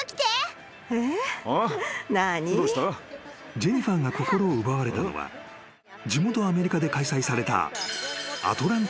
［ジェニファーが心を奪われたのは地元アメリカで開催された］